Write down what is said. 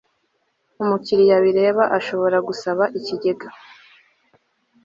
umukiriya bireba ashobora gusaba Ikigega